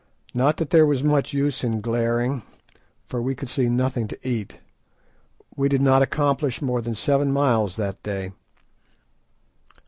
Not that there was much use in glaring, for we could see nothing to eat. We did not accomplish more than seven miles that day.